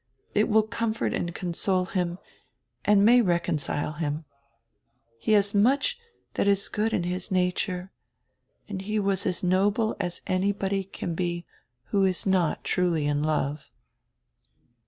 It will comfort and console him, and may reconcile him. He has much that is good in his nature and was as noble as anybody can be who is not truly in love."